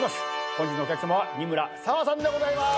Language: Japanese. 本日のお客さまは仁村紗和さんでございます。